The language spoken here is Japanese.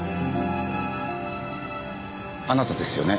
あなたですよね？